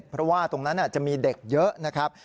เพราะว่าตรงนั้นจะมีเด็กเยอะนะครับ